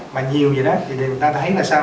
mà nhiều gì đó thì người ta thấy là sao